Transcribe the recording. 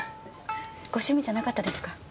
ご趣味じゃなかったですか？